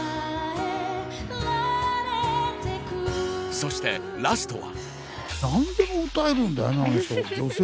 そしてラストは。